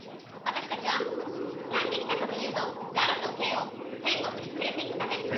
私たちは何で来たかというとガラとケーを天国に連れていくため。